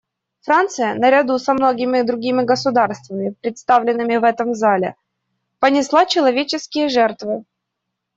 Франция, наряду со многими другими государствами, представленными в этом зале, понесла человеческие жертвы.